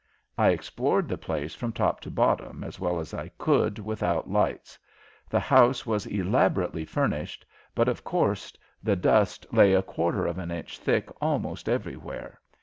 I explored the place from top to bottom as well as I could without lights. The house was elaborately furnished, but, of course, the dust lay a quarter of an inch thick almost everywhere.